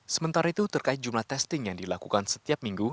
sementara itu terkait jumlah testing yang dilakukan setiap minggu